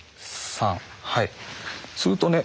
するとね。